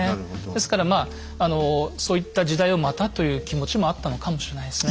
ですからまあ「そういった時代をまた」という気持ちもあったのかもしれないですね。